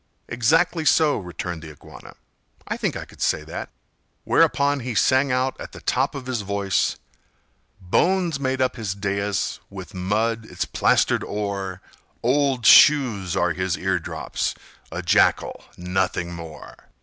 "Exactly so," returned the Iguana; "I think I could say that!" Whereupon he sang out at the top of his voice— "Bones made up his dais, with mud it's plastered o'er, Old shoes are his eardrops; a jackal, nothing more!"